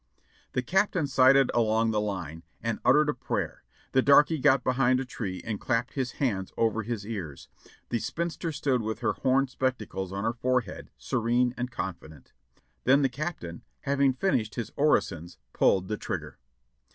The Captain sighted along the line, and uttered a prayer; the darky got behind a tree and clapped his hands over his ears ; the spinster stood with her horn spectacles on her fore head, serene and confident; then the Captain, having finished his orisons, pulled the trigger.